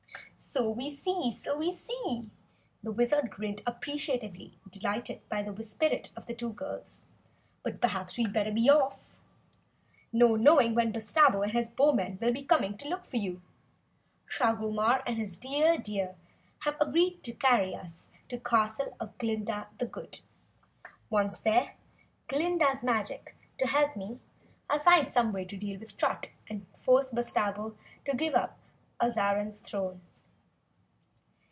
"So we see! So we see!" The Wizard grinned appreciatively, delighted by the spirit of the two girls. "But perhaps we'd better be off! No knowing when Bustabo and his Bowmen will be coming to look for you. Shagomar and Dear Deer have kindly agreed to carry us to the castle of Glinda the Good. Once there with Glinda's magic to help me, I'll find some way to deal with Strut, and to force Bustabo to give up Azarine's throne.